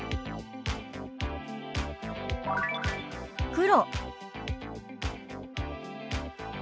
「黒」。